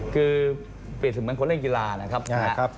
คือเปรียบเสมือนคนเล่นกีฬานะครับ